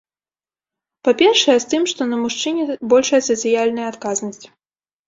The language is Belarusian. Па-першае, з тым, што на мужчыне большая сацыяльная адказнасць.